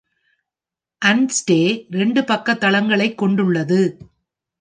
அன்ஸ்டே இரண்டு பக்க தளங்களைக் கொண்டுள்ளது.